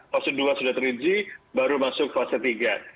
fase dua sudah teruji baru masuk fase tiga